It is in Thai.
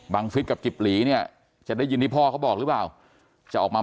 ฟิศกับกิบหลีเนี่ยจะได้ยินที่พ่อเขาบอกหรือเปล่าจะออกมา